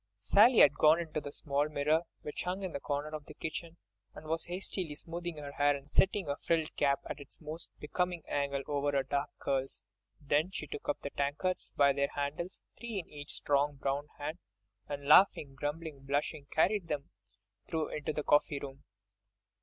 Sally had gone to the small mirror which hung in a corner of the kitchen, and was hastily smoothing her hair and setting her frilled cap at its most becoming angle over her dark curls; then she took up the tankards by their handles, three in each strong, brown hand, and laughing, grumbling, blushing, carried them through into the coffee room.